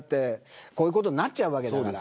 こういうことになっちゃうわけだから。